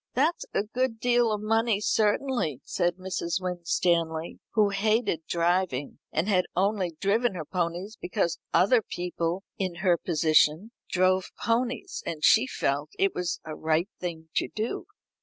"That's a good deal of money certainly," said Mrs. Winstanley, who hated driving, and had only driven her ponies because other people in her position drove ponies, and she felt it was a right thing to do.